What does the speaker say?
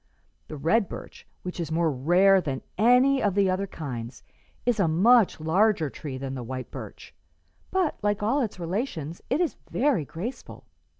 The red birch, which is more rare than any of the other kinds, is a much larger tree than the white birch, but, like all its relations, it is very graceful.